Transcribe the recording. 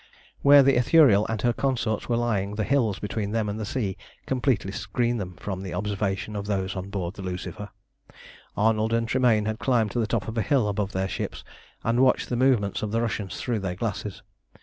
Where the Ithuriel and her consorts were lying the hills between them and the sea completely screened them from the observation of those on board the Lucifer. Arnold and Tremayne had climbed to the top of a hill above their ships, and watched the movements of the Russians through their glasses.